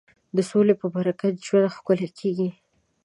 د سولې په برکت ژوند ښکلی کېږي.